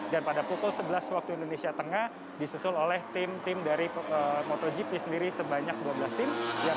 dan pada pukul sebelas waktu indonesia tengah disusul oleh tim tim dari motogp sendiri sebanyak dua belas tim